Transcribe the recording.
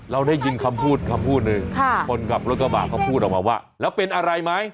เราได้ยินคำพูดคำพูดหนึ่งคนขับรถกระบะเขาพูดออกมาว่าแล้วเป็นอะไรไหม